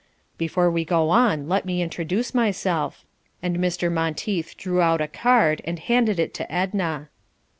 "Before we go on let me introduce myself," and Mr. Monteith drew out a card and handed it to Edna.